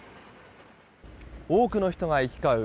多くの人が行き交う